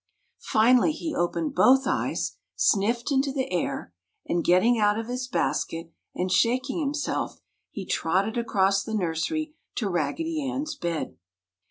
Finally he opened both eyes, sniffed into the air and, getting out of his basket and shaking himself, he trotted across the nursery to Raggedy Ann's bed.